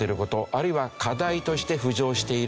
あるいは課題として浮上している事。